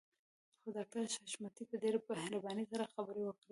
خو ډاکټر حشمتي په ډېره مهربانۍ سره خبرې وکړې.